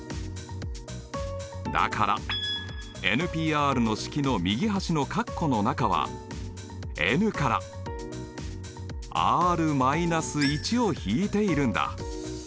だからＰの式の右端のカッコの中はｎからｒー１を引いているんだ。